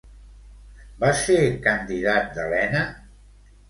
Va ser candidat d'Helena?